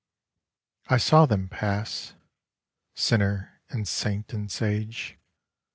I saw them pass — sinner and saint and sage.